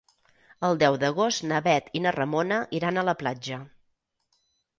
El deu d'agost na Bet i na Ramona iran a la platja.